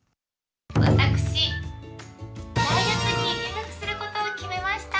私、大学に入学することを決めました。